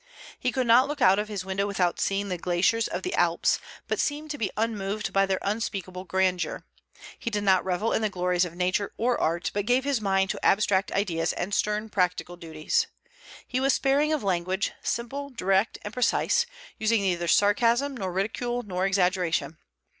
He could not look out of his window without seeing the glaciers of the Alps, but seemed to be unmoved by their unspeakable grandeur; he did not revel in the glories of nature or art, but gave his mind to abstract ideas and stern practical duties. He was sparing of language, simple, direct, and precise, using neither sarcasm, nor ridicule, nor exaggeration.